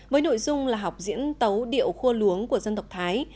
với nội dung là học diễn tấu điệu khua luống của dân tộc thái